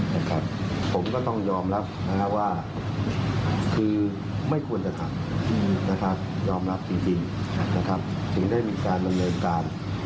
ผมก็ต้องยอมรับว่าคือไม่ควรจะทำยอมรับจริงถึงได้มีการดำเนินการ